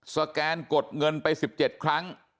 แกนกดเงินไป๑๗ครั้ง